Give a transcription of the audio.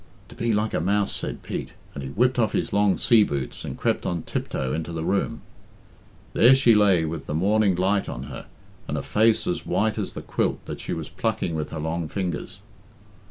"TO be like a mouse," said Pete, and he whipped off his long sea boots and crept on tiptoe into the room. There she lay with the morning light on her, and a face as white as the quilt that she was plucking with her long fingers.